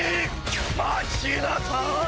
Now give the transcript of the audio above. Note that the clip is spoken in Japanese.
待ちなさい！